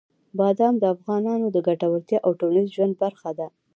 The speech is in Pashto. بادام د افغانانو د ګټورتیا او ټولنیز ژوند برخه ده.